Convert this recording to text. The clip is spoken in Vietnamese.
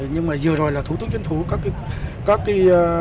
nhưng mà vừa rồi là thủ tướng chính phủ các cái